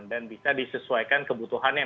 dan bisa disesuaikan kebutuhannya